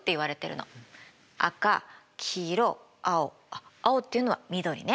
赤黄色青青っていうのは緑ね。